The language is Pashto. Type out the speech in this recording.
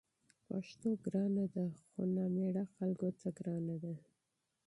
پښتو ګرانه ده؛ خو نامېړه خلکو ته ګرانه ده